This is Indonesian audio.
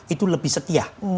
itu lebih setia